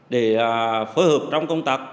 để phối hợp trong công tác